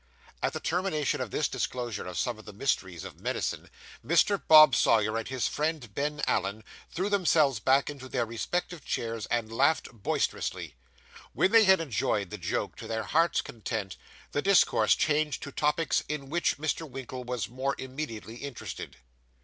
At the termination of this disclosure of some of the mysteries of medicine, Mr. Bob Sawyer and his friend, Ben Allen, threw themselves back in their respective chairs, and laughed boisterously. When they had enjoyed the joke to their heart's content, the discourse changed to topics in which Mr. Winkle was more immediately interested.